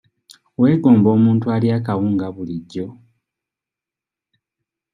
Weegomba omuntu alya akawunga bulijjo?